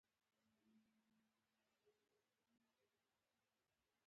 دغه جګړه به هغه تاجک قوماندانان نوره هم تېزه کړي.